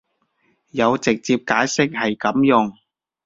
有直接解釋係噉用